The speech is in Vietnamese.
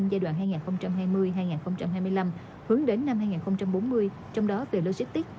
giai đoạn hai nghìn hai mươi hai nghìn hai mươi năm hướng đến năm hai nghìn bốn mươi trong đó về logistics